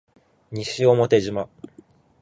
西表島